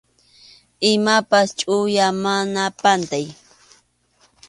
Imapas chʼuya, mana pantay.